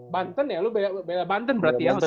banten ya lu banten berarti ya